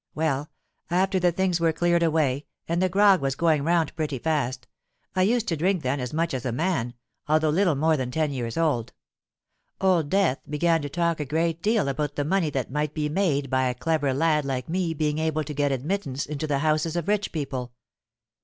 Well, after the things were cleared away, and the grog was going round pretty fast,—I used to drink then as much as a man, although little more than ten years old;—Old Death began to talk a great deal about the money that might be made by a clever lad like me being able to get admittance into the houses of rich people.